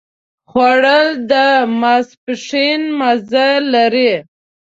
خوړل د ماسپښين مزه لري